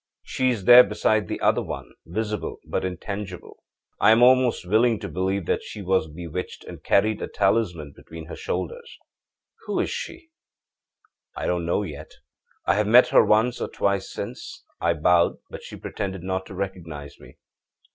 She is there, beside the other one, visible but intangible. I am almost willing to believe that she was bewitched, and carried a talisman between her shoulders. âWho is she? I don't know yet. I have met her once or twice since. I bowed, but she pretended not to recognize me.